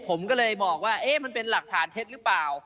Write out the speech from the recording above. ผมก็เลยบอกว่าเอ๊ะมันเป็นหลักฐานเท็จหรือเปล่า